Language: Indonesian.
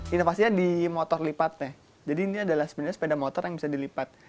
inovasinya di motor lipat nih jadi ini adalah sebenarnya sepeda motor yang bisa dilipat